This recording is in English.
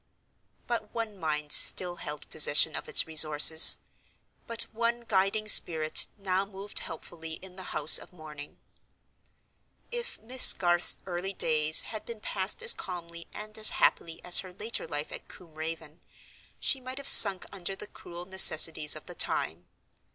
But one mind still held possession of its resources—but one guiding spirit now moved helpfully in the house of mourning. If Miss Garth's early days had been passed as calmly and as happily as her later life at Combe Raven, she might have sunk under the cruel necessities of the time.